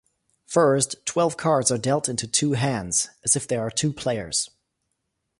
First, twelve cards are dealt into two hands as if there are two players.